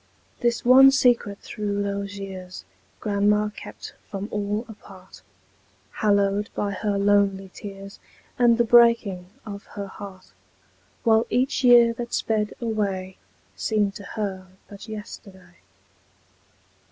This one secret through those years Grandma kept from all apart, Hallowed by her lonely tears And the breaking of her heart; While each year that sped away Seemed to her but yesterday.